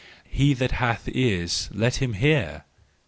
He that hath ears let him hear."